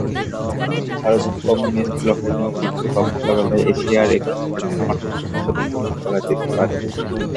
অন্যদিকে, ভারতকে কমিউনিস্ট ব্লকের নৈতিক প্রভাব মোকাবেলায় এশিয়ার একটি মডেল গণতন্ত্র হিসাবে অনুমান করা যেতে পারে।